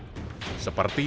seperti di jalan lantiko